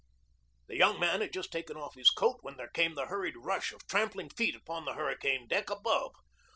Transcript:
The young man had just taken off his coat when there came the hurried rush of trampling feet upon the hurricane deck above.